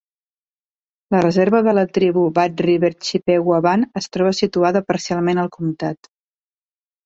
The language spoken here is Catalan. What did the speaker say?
La reserva de la tribu Bad River Chippewa Band es troba situada parcialment al comtat.